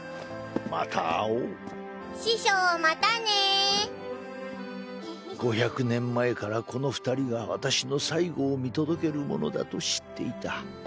また会おう師匠またね「５００年前からこの二人が私の最期を見届ける者だと知っていた。